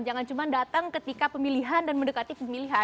jangan cuma datang ketika pemilihan dan mendekati pemilihan